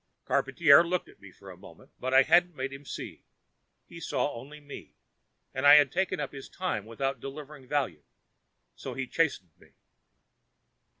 Charpantier looked at me for a moment, but I hadn't made him see. He saw only me, and I had taken up his time without delivering value. So he chastised me.